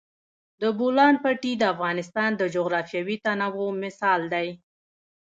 د بولان پټي د افغانستان د جغرافیوي تنوع مثال دی.